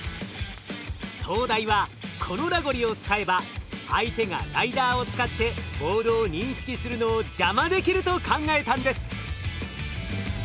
東大はこのラゴリを使えば相手がライダーを使ってボールを認識するのを邪魔できると考えたんです。